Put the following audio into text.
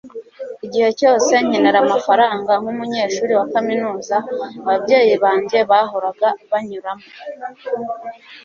igihe cyose nkenera amafaranga nkumunyeshuri wa kaminuza, ababyeyi banjye bahoraga banyuramo